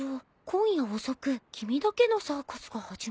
「今夜遅く君だけのサーカスが始まるよ」